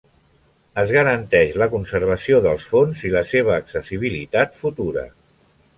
Es garanteix la conservació dels fons i la seva accessibilitat futura.